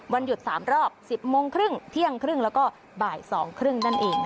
วันหยุด๓รอบ๑๐โมงครึ่งเที่ยงครึ่งแล้วก็บ่าย๒๓๐นั่นเอง